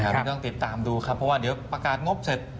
ไม่ต้องติดตามดูครับเพราะว่าเดี๋ยวประกาศงบเสร็จ